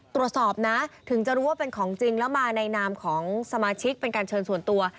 ตรวจสอบนะถึงจะรู้ว่าเป็นของจริงแล้วมาในนามของสมาชิกเป็นการเชิญส่วนตัว